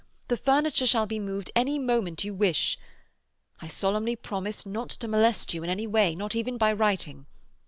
The furniture shall be moved any moment you wish. I solemnly promise not to molest you in any way, not even by writing.